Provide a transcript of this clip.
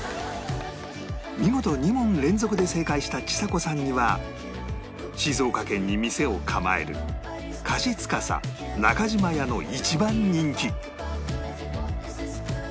見事２問連続で正解したちさ子さんには静岡県に店を構える菓子司中島屋の一番人気